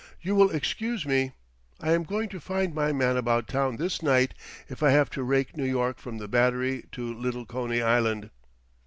"You will excuse me. I am going to find my Man About Town this night if I have to rake New York from the Battery to Little Coney Island."